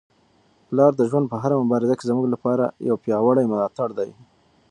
پلار د ژوند په هره مبارزه کي زموږ لپاره یو پیاوړی ملاتړی دی.